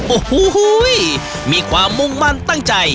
โอ้โหมีความมุ่งมั่นตั้งใจ